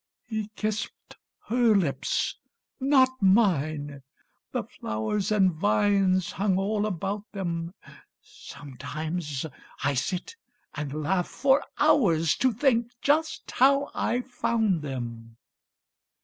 He kissed her lips, not mine; the flowers And vines hung all about them. Sometimes I sit and laugh for hours To think just how I found them.